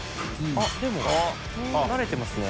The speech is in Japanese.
あっでも慣れてますね。